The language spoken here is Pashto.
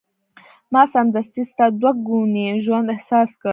ما سمدستي ستا دوه ګونی ژوند احساس کړ.